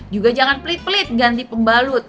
juga jangan pelit pelit ganti pembalut